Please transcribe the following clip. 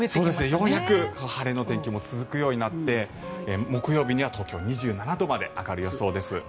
ようやく晴れの天気も続くようになって木曜日には東京２７度まで上がる予想です。